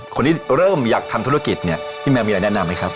คนที่เริ่มอยากทำธุรกิจเนี่ยพี่แมวมีอะไรแนะนำไหมครับ